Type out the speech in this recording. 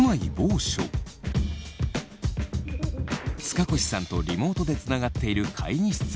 塚越さんとリモートでつながっている会議室。